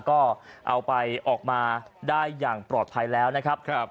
ก็เอาไปออกมาได้อย่างปลอดภัยแล้วนะครับ